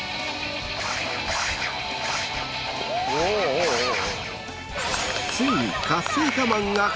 おおおお。